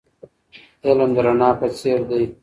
علم د رڼا په څېر دی.